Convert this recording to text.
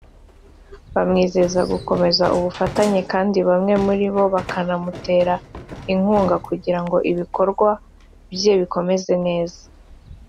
bamwizeza gukomeza ubufatanye kandi bamwe muri bo banamutera inkunga kugirango ibikorwa bye bikomeze neza